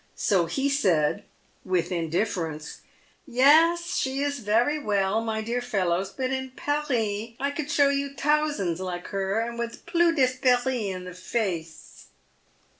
So he said, with indifference, " Yase, she is varry well, my dear fellows, but in Paris I could show you tousands like her, and with plus d' esprit in the face."